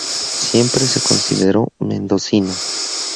Siempre se consideró mendocina.